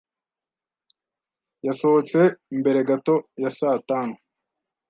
Yasohotse mbere gato ya saa tanu.